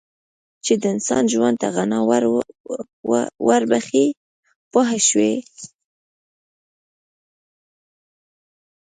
چې د انسان ژوند ته غنا ور بخښي پوه شوې!.